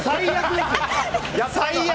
最悪！